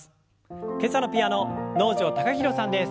今朝のピアノ能條貴大さんです。